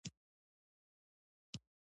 پېښه چې د رام بلوا په نامه یادېږي.